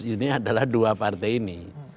ini adalah dua partai ini